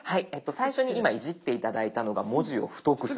最初今いじって頂いたのが「文字を太くする」です。